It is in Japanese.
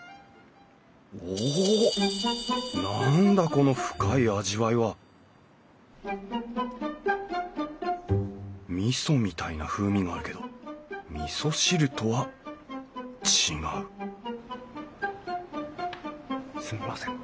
この深い味わいはみそみたいな風味があるけどみそ汁とは違うすみません。